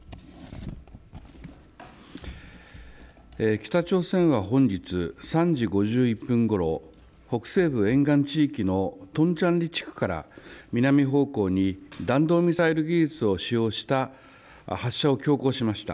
北朝鮮は本日３時５１分ごろ、北西部沿岸地域のトンチャンリ地区から南方向に弾道ミサイル技術を使用した発射を強行しました。